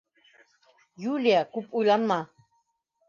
— Юлия, күп уйланма.